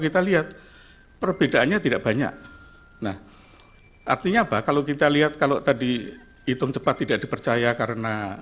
kita lihat perbedaannya tidak banyak nah artinya apa kalau kita lihat kalau tadi hitung cepat tidak dipercaya karena